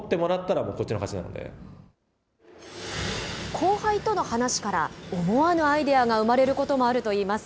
後輩との話から、思わぬアイデアが生まれることもあるといいます。